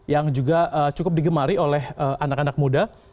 yang juga cukup digemari oleh anak anak muda